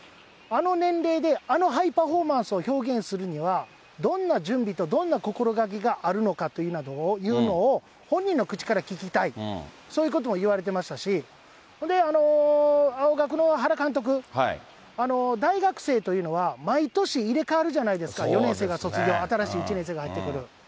あの年齢であのハイパフォーマンスを表現するには、どんな準備とどんな心掛けがあるのかというのを、本人の口から聞きたい、そういうことも言われてましたし、ほんで、青学の原監督、大学生というのは、毎年、入れ代わるじゃないですか、４年生が卒業、新しい１年生が入ってくる。